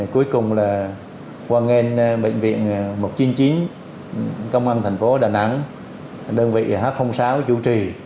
cuối cùng là quan hệ bệnh viện một trăm chín mươi chín công an thành phố đà nẵng đơn vị h sáu chủ trì